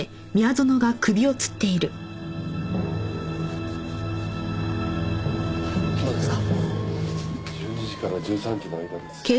そうですか。